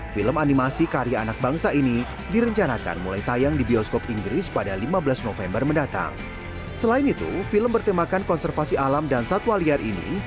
film bertemakan konservasi alam dan satwa liar ini